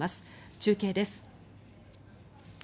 中継です。